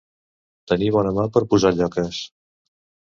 Tenir bona mà per posar lloques.